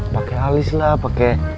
pake alis lah pake